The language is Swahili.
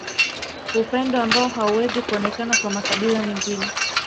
Upendo ambao hauwezi kuonekana kwa makabila mengine